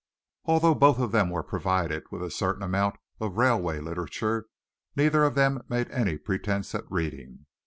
Although both of them were provided with a certain amount of railway literature, neither of them made any pretence at reading.